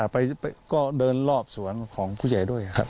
ไปก็เดินรอบสวนของผู้ใหญ่ด้วยครับ